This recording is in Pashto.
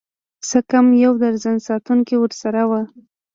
څه کم يو درجن ساتونکي ورسره وو.